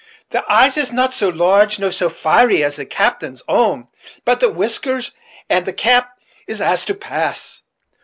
The eyes is no so large nor so fiery as the captain's Own; but the whiskers and the cap is as two paes.